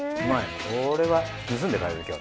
これは盗んで帰るよ